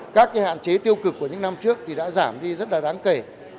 các hạn chế tiêu cực của những năm trước đã giảm đi rất đáng kể